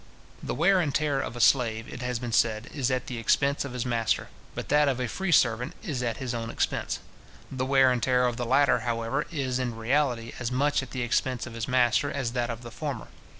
The wear and tear of a slave, it has been said, is at the expense of his master; but that of a free servant is at his own expense. The wear and tear of the latter, however, is, in reality, as much at the expense of his master as that of the former.